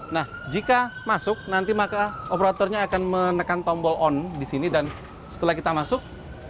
nah jika masuk nanti maka operatornya akan menekan tombol on di sini dan setelah kita masuk